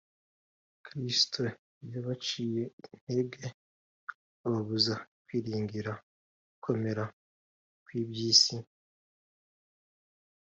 kristo yabaciye intege ababuza kwiringira gukomera kw’iby’isi